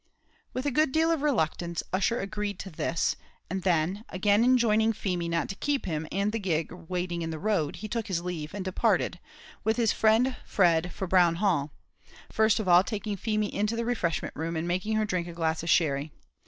With a good deal of reluctance Ussher agreed to this; and then, again enjoining Feemy not to keep him and the gig waiting in the road, he took his leave, and departed, with his friend Fred, for Brown Hall; first of all taking Feemy into the refreshment room, and making her drink a glass of sherry.